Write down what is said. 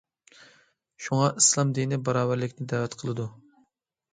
شۇڭا، ئىسلام دىنى باراۋەرلىكنى دەۋەت قىلىدۇ.